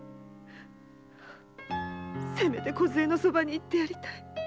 せめてこずえのそばに行ってやりたい。